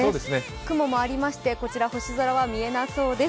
雲もありまして、こちら星空は見えなそうです。